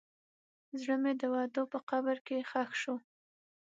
زړه مې د وعدو په قبر کې ښخ شو.